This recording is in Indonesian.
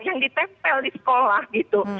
yang ditempel di sekolah gitu